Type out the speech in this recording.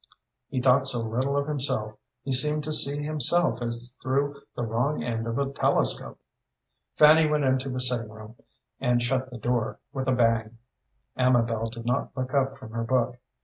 He thought so little of himself, he seemed to see himself as through the wrong end of a telescope. Fanny went into the sitting room and shut the door with a bang. Amabel did not look up from her book.